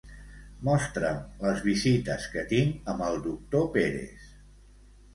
Mostra'm les visites que tinc amb el doctor Pérez.